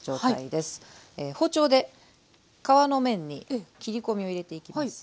包丁で皮の面に切り込みを入れていきます。